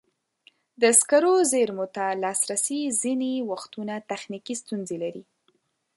د سکرو زېرمو ته لاسرسی ځینې وختونه تخنیکي ستونزې لري.